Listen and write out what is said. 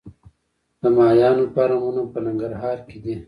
د ماهیانو فارمونه په ننګرهار کې دي